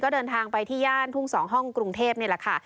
เดินทางไปที่ย่านทุ่ง๒ห้องกรุงเทพนี่แหละค่ะ